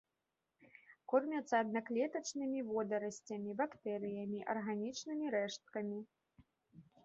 Кормяцца аднаклетачнымі водарасцямі, бактэрыямі, арганічнымі рэшткамі.